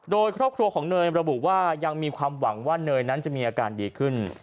โดยครอบครัวของเนยระบุว่ายังมีความหวังว่าเนยนั้นจะมีอาการดีขึ้น